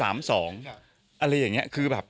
อะไรอย่างนี้คือแบบ